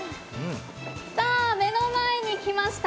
さあ、目の前に来ました。